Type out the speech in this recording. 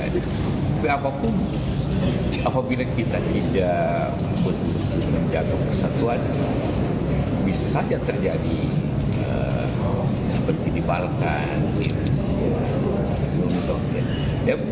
jadi ya apapun apabila kita tidak menjaga persatuan bisa saja terjadi seperti di balkan di indonesia di indonesia